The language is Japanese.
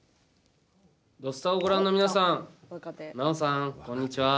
「土スタ」をご覧の皆さん南朋さん、こんにちは。